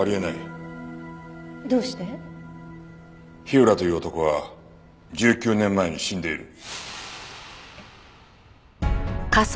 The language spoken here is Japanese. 火浦という男は１９年前に死んでいる。